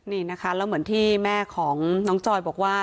นี่นะคะแล้วเหมือนที่แม่ของน้องจอยบอกว่า